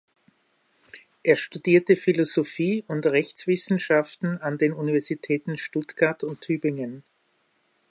Er studierte Philosophie und Rechtswissenschaften an den Universitäten Stuttgart und Tübingen.